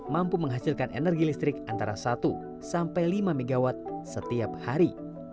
mampu menghasilkan energi listrik antara satu sampai lima mw setiap hari